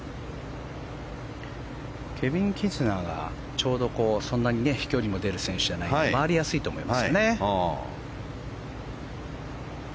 ケビン・キスナーがちょうどそんなに飛距離の出る選手じゃないので回りやすいと思いますよね。